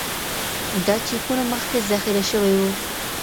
دا چېپونه مخکې ذخیره شوي وو.